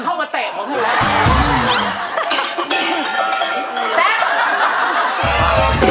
เราก็ต้องแสฟรีลมสัมภาษา